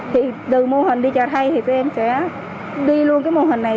thì từ mô hình đi chợ thay thì tụi em sẽ đi luôn cái mô hình này